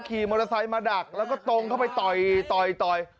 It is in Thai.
ขี่มอเตอร์ไซค์มาดักแล้วก็ตรงเข้าไปต่อยต่อย